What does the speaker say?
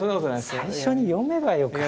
最初に読めばよかった。